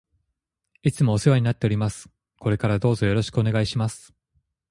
いつもお世話になっております。これからどうぞよろしくお願いします。